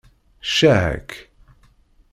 Ccah-ak!